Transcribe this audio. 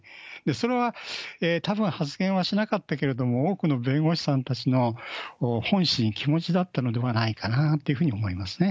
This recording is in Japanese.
それは、たぶん発言はしなかったけれども、多くの弁護士さんたちの本心、気持ちだったのではないかなと思いますね。